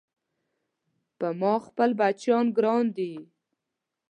په ما خپل بچيان ګران دي